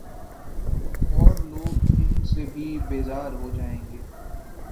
اورلوگ ان سے بھی بیزار ہوجائیں گے۔